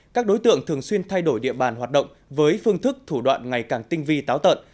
các đối tượng thường xuyên thay đổi địa bàn hoạt động với phương thức thủ đoạn ngày càng tinh vi táo tợn